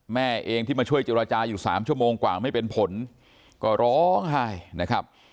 แม่เองที่มาช่วยเจรจาอยู่๓ชั่วโมงกว่าไม่เป็นผลก็ร้องไห้นะครับ